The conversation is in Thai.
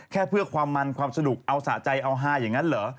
แค่เพื่อความมันความสนุกเอาสะใจเอาฮาอย่างนั้นเหรอ